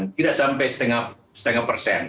tidak sampai setengah persen